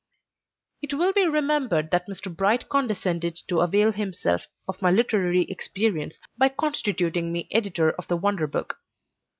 It will be remembered that Mr. Bright condescended to avail himself of my literary experience by constituting me editor of the "Wonder Book."